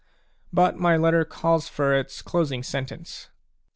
But my letter calls for its closing sentence.